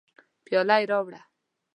پیاله یې راوړه.